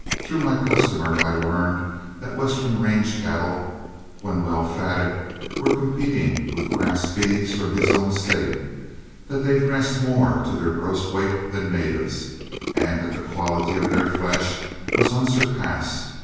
Through my customer I learned that Western range cattle, when well fatted, were competing with grass beeves from his own State; that they dressed more to their gross weight than natives, and that the quality of their flesh was unsurpassed.